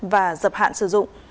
và dập hạn sử dụng